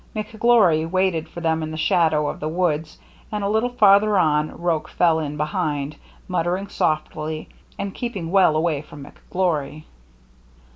McGlory waited for them in the shadow of the woods ; and a little farther on Roche fell in behind, muttering softly, and keeping well away from McGlory.